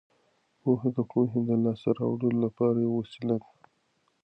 پوهه د پوهې د لاسته راوړلو لپاره یوه وسیله ده.